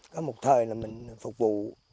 có một thời là mình phục vụ